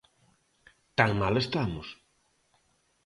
Tan mal estamos?